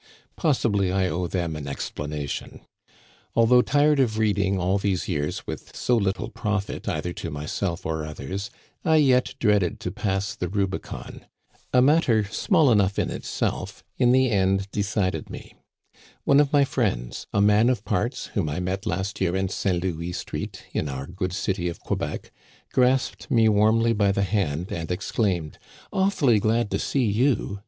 Possibly I owe them an explanation. Although tired of reading all these years with so little profit either to myself or others, I yet dreaded to pass the Rubicon. A matter small enough in itself in the end decided me. One of my friends, a man of parts, whom I met last year in St. Louis Street, in our good city of Quebec, grasped me warmly by the hand and exclaimed : "Awfully glad to see you